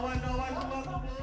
kawan kawan semua kumpul